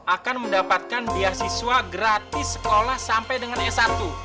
akan mendapatkan beasiswa gratis sekolah sampai dengan s satu